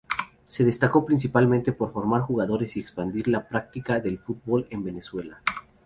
Se destacó principalmente por formar jugadores y expandir la práctica del fútbol en Venezuela.